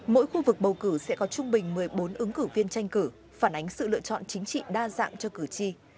mỗi khu vực bầu cử sẽ có trung bình một mươi bốn ứng cử viên tranh cử phản ánh sự lựa chọn chính trị đa dạng cho cử tri